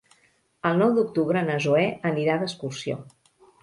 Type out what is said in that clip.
El nou d'octubre na Zoè anirà d'excursió.